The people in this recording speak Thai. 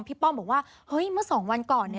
พี่ป้องบอกว่าเฮ้ยเมื่อสองวันก่อน